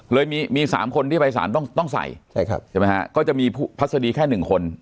เลยมีสามคนที่ไปสารต้องใส่ใช่ไหมครับก็จะมีพัฒนีแค่หนึ่งคน